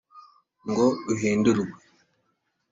ngo uhindurwe